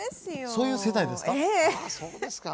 そういう世代ですか？